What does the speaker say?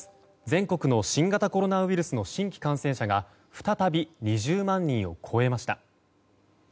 全国の新型コロナウイルスの新規感染者が再び２０万人を超えました。